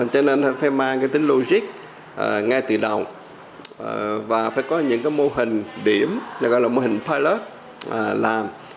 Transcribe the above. cho nên phải mang cái tính logic ngay từ đầu và phải có những cái mô hình điểm gọi là mô hình pilot làm